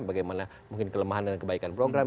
bagaimana mungkin kelemahan dan kebaikan program